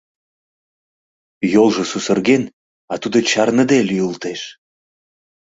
Йолжо сусырген, а тудо чарныде лӱйылтеш!